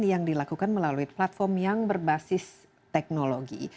yang dilakukan melalui platform yang berbasis teknologi